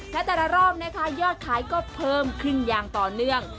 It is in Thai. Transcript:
และแต่ละรอบนะคะยอดขายก็เพิ่มขึ้นอย่างต่อเนื่อง